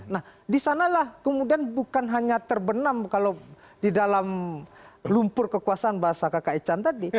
nah disanalah kemudian bukan hanya terbenam kalau di dalam lumpur kekuasaan bahasa kakak ecan tadi